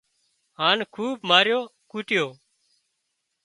هانَ خوٻ ماريو ڪوٽيو